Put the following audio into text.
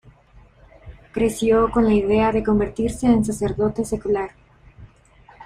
Creció con la idea de convertirse en sacerdote secular.